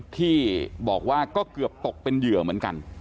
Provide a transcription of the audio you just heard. ที่บอกว่าก็เกือบตกเป็นเหยื่อเหมือนกัน